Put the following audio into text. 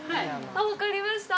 分かりました。